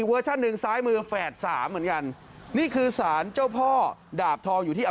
โอ้โฮ